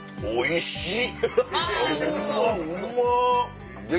おいしい。